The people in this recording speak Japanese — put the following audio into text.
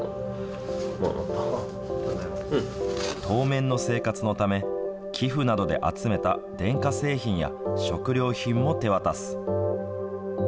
当面の生活のため、寄付などで集めた電化製品や食料品も手渡す。